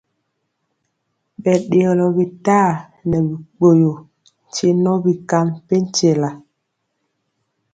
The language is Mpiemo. Ɓɛ ɗeyɔlɔ bitaa nɛ bikpoyo nkye nɔ bi ka mpenkyela.